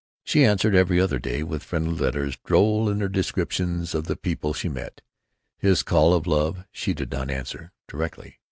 She answered every other day with friendly letters droll in their descriptions of the people she met. His call of love she did not answer—directly.